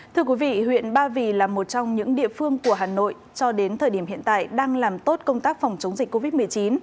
thưa quý vị huyện ba vì là một trong những địa phương của hà nội cho đến thời điểm hiện tại đang làm tốt công tác phòng chống dịch covid một mươi chín